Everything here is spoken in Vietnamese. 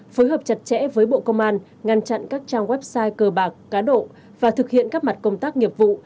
phối hợp chặt chẽ với bộ công an ngăn chặn các trang website cơ bạc cá độ và thực hiện các mặt công tác nghiệp vụ